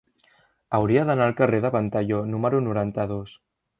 Hauria d'anar al carrer de Ventalló número noranta-dos.